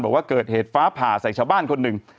บอกว่าเกิดเหตุฟ้าผ่าใส่ชาวบ้านคนหนึ่ง